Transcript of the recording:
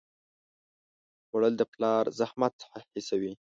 خوړل د پلار زحمت حسوي